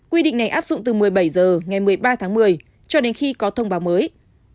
quy định này áp dụng từ một mươi bảy h ngày một mươi ba tháng một mươi cho đến khi có thông báo mới